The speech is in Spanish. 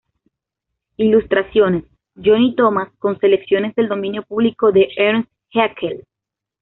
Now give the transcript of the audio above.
Ilustraciones: Jonny Thomas con selecciones del dominio público de Ernst Haeckel.